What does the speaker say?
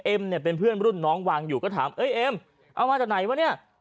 เนี่ยเป็นเพื่อนรุ่นน้องวางอยู่ก็ถามเอ้ยเอ็มเอามาจากไหนวะเนี่ย